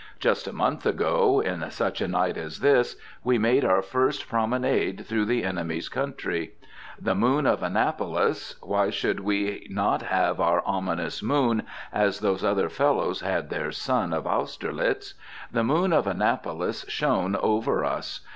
Just a month ago, "in such a night as this," we made our first promenade through the enemy's country. The moon of Annapolis, why should we not have our ominous moon, as those other fellows had their sun of Austerlitz? the moon of Annapolis shone over us.